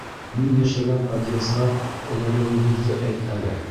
Мин йәшәгән подъезға эләгеүегеҙҙе әйт әле.